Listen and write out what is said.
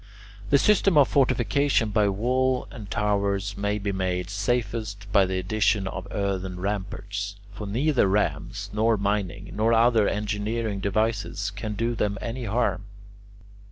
The system of fortification by wall and towers may be made safest by the addition of earthen ramparts, for neither rams, nor mining, nor other engineering devices can do them any harm.